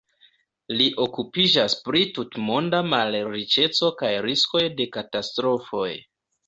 Li okupiĝas pri tutmonda malriĉeco kaj riskoj de katastrofoj.